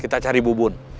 kita cari bubun